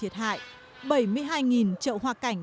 một mươi hectare lúa bị ngập và hư hỏng